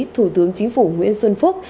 thủ tướng chính phủ nguyễn xuân phúc